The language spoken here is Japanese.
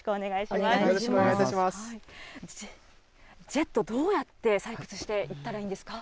ジェット、どうやって採掘していったらいいんですか？